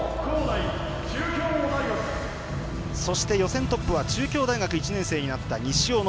そして予選トップは中京大学１年生になった西小野。